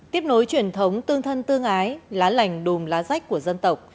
tiếp nối truyền thống tương thân tương ái lá lành đùm lá rách của dân tộc